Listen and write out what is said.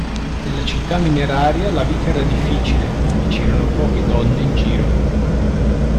Nella città mineraria la vita era difficile e c'erano poche donne in giro.